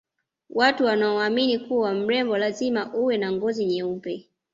watu wanaoamini kuwa mrembo lazima uwe na ngozi nyeupe